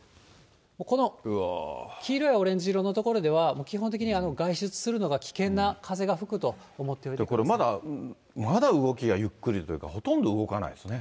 この黄色やオレンジ色の所では、基本的に、外出するのが危険な風これ、まだ、まだ動きがゆっくりというか、ほとんど動かないですね。